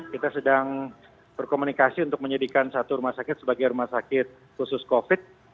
kita sedang berkomunikasi untuk menyediakan satu rumah sakit sebagai rumah sakit khusus covid